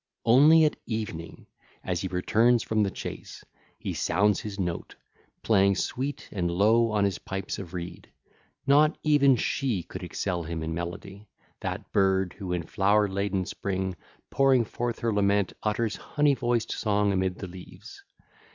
Only at evening, as he returns from the chase, he sounds his note, playing sweet and low on his pipes of reed: not even she could excel him in melody—that bird who in flower laden spring pouring forth her lament utters honey voiced song amid the leaves.